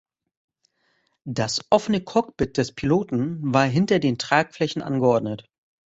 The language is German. Das offene Cockpit des Piloten war hinter den Tragflächen angeordnet.